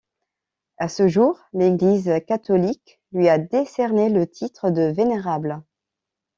À ce jour, l'Eglise catholique lui a décerné le titre de vénérable.